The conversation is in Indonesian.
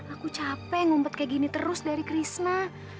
aku capek ngumpet kayak gini terus dari krishna